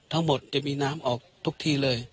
ทั้งหมดจะมีน้ำออกทุกที่เลย